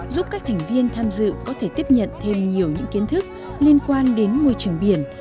giúp các thành viên tham dự có thể tiếp nhận thêm nhiều những kiến thức liên quan đến môi trường biển